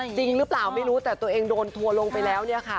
จริงหรือเปล่าไม่รู้แต่ตัวเองโดนทัวร์ลงไปแล้วเนี่ยค่ะ